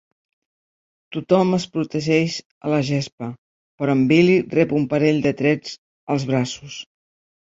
Tothom es protegeix a la gespa, però en Billy rep un parell de trets als braços.